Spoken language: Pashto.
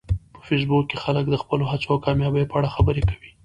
په فېسبوک کې خلک د خپلو هڅو او کامیابیو په اړه خبرې کوي